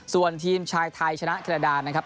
ส่วนทีมชายไทยชนะแคนาดานะครับ